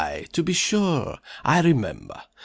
to be sure. I remember.